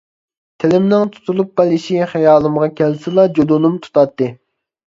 تىلىمنىڭ تۇتۇلۇپ قېلىشى خىيالىمغا كەلسىلا جۇدۇنۇم تۇتاتتى.